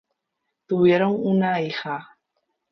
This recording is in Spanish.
Tuvieron una hija.